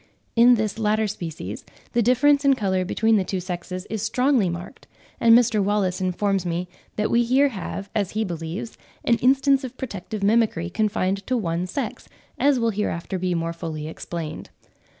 In this latter species the difference in colour between the two sexes is strongly marked; and Mr. Wallace informs me that we here have, as he believes, an instance of protective mimicry confined to one sex, as will hereafter be more fully explained.